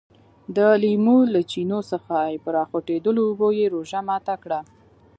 د لیمو له چینو څخه په راخوټېدلو اوبو یې روژه ماته کړه.